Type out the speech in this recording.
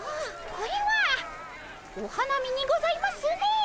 これはお花見にございますね。